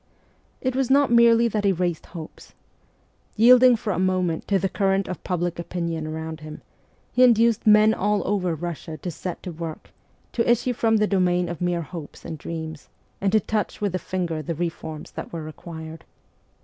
It was not merely that he raised hopes. Yielding for a moment to the current of public opinion around him, he induced men all over Russia to set to work, to issue from the domain of mere hopes and dreams, a'nd to touch with the finger the reforms that were required.